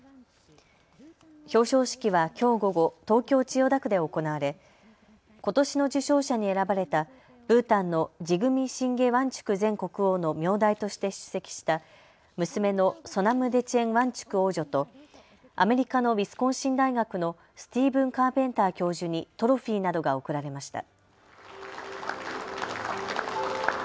表彰式はきょう午後、東京千代田区で行われことしの受賞者に選ばれたブータンのジグミ・シンゲ・ワンチュク前国王の名代として出席した娘のソナム・デチェン・ワンチュク王女と、アメリカのウィスコンシン大学のスティーブン・カーペンター教授にトロフィーなどが贈られました。